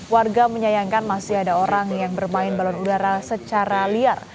warga menyayangkan masih ada orang yang bermain balon udara secara liar